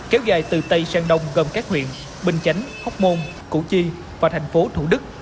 kéo dài từ tây sang đông gồm các huyện bình chánh hóc môn củ chi và thành phố thủ đức